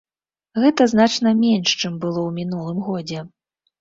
Гэта значна менш, чым было ў мінулым годзе.